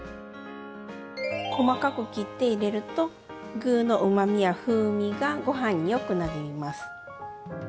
細かく切って入れると具のうまみや風味がごはんによくなじみます。